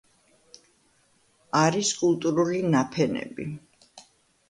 არის კულტურული ნაფენები.